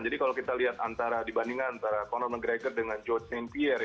jadi kalau kita lihat antara dibandingkan antara conor mcgregor dengan george st pierre